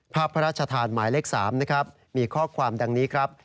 พระราชทานหมายเลข๓นะครับมีข้อความดังนี้ครับ